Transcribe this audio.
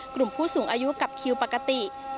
กลุ่มผู้สูงอายุกับคิวปกติ